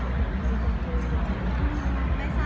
ไม่ทราบเลยครับ